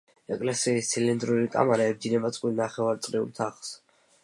ეკლესიის ცილინდრული კამარა ებჯინება წყვილ ნახევარწრიულ თაღს.